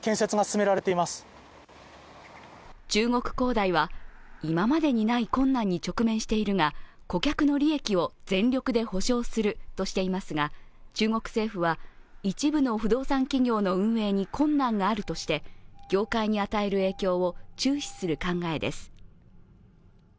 中国恒大は今までにない困難に直面しているが顧客の利益を全力で保障するとしていますが、中国政府は一部の不動産企業の運営に困難があるとして業界に与える影響を注視する考えです。